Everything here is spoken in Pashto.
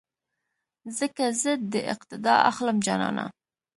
ځکه زه دې اقتیدا اخلم جانانه